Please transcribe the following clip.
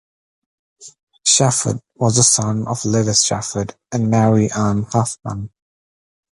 Shepard was the son of Lewis Shepard and Mary Ann Huffman.